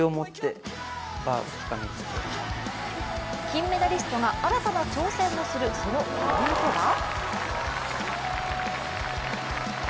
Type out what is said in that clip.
金メダリストが新たな挑戦をするその理由とは。